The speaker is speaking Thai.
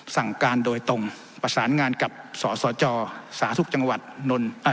สั่งการโดยตรงประสานงานกับสสจสาธุจังหวัดนนท์อ่า